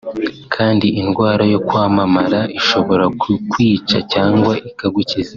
kandi indwara yo kwamamara ishobora kukwica cyangwa ikagukiza